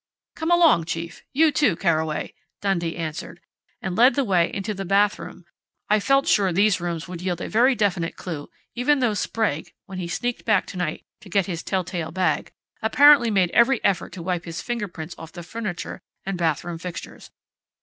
"Come along, chief you, too, Carraway!" Dundee answered, and led the way into the bathroom. "I felt sure these rooms would yield a very definite clue, even though Sprague, when he sneaked back tonight to get his tell tale bag, apparently made every effort to wipe his fingerprints off the furniture and bathroom fixtures....